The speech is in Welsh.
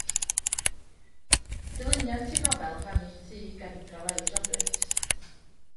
Dilyniant i'r nofel Rhannu'r Tŷ gan Eigra Lewis Roberts.